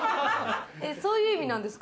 そういう意味なんですか？